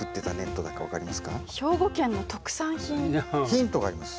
ヒントがあります。